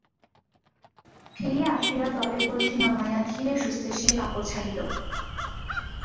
ফিরিয়া আসিয়া জলের কলসি নামাইয়া ধীরেসুস্থে সে কাপড় ছাড়িল।